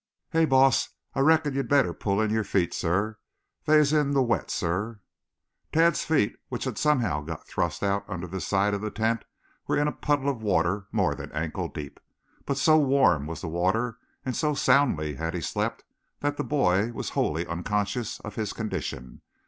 "Hey, Boss, Ah reckon, sah, you'd bettah pull in youah feet, sah. They's in de wet, sah." Tad's feet, which had somehow got thrust out under the side of the tent, were in a puddle of water more than ankle deep. But so warm was the water and so soundly had he slept that the boy was wholly unconscious of his condition.